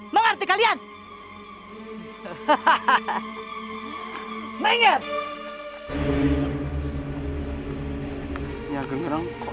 bécpapita yang dinyuranku